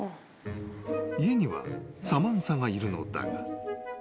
［家にはサマンサがいるのだが］